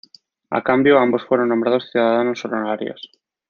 A cambio, ambos fueron nombrados ciudadanos honorarios.